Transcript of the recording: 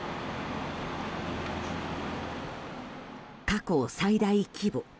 過去最大規模